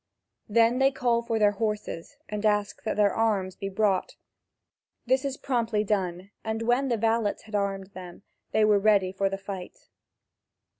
Then they call for their horses, and ask that their arms be brought. This is promptly done, and when the valets had armed them, they were ready for the fight.